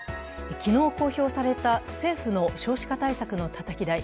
昨日公表された政府の少子化対策のたたき台。